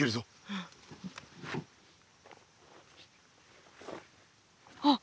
うん。あっ。